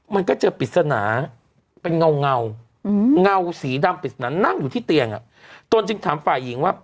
มันก็เจอปริศนาเป็นเงาเงาสีดำปริศนานั่งอยู่ที่เตียงตนจึงถามฝ่ายหญิงว่า